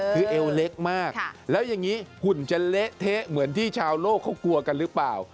คือเอวเล็กมากแล้วอย่างนี้หุ่นจะเละเทะเหมือนที่ชาวโลกเขากลัวกันหรือเปล่า